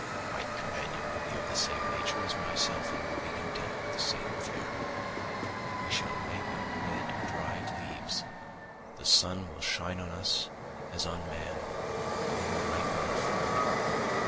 My companion will be of the same nature as myself and will be content with the same fare. We shall make our bed of dried leaves; the sun will shine on us as on man and will ripen our food.